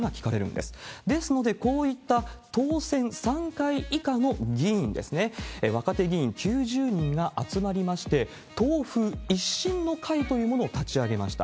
ですので、こういった当選３回以下の議員ですね、若手議員９０人が集まりまして、党風一新の会というものを立ち上げました。